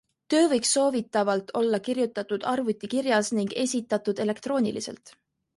Töö võiks soovitavalt olla kirjutatud arvutikirjas ning esitatud elektrooniliselt.